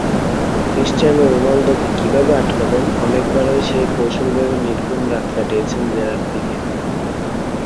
Cristiano রোনালদোকে কীভাবে আটকাবেন, অনেকবারই সেই কৌশল ভেবে নির্ঘুম রাত কাটিয়েছেন জেরার্ড পিকে।